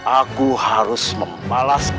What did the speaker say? aku harus memperbaiki